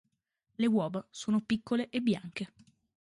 Le uova sono piccole e bianche.